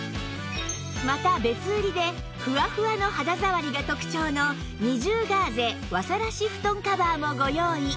また別売りでふわふわの肌触りが特徴の２重ガーゼ和晒し布団カバーもご用意